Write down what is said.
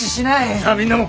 さあみんなも。